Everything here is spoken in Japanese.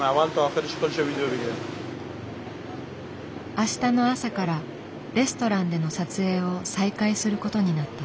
明日の朝からレストランでの撮影を再開することになった。